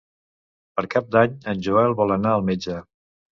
Per Cap d'Any en Joel vol anar al metge.